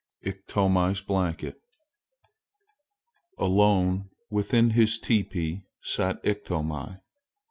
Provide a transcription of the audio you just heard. IKTOMI'S BLANKET ALONE within his teepee sat Iktomi.